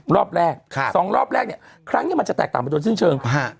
รอบแรกสองรอบแรกเนี่ยครั้งนี้มันจะแตกต่างไปโดนสิ้นเชิง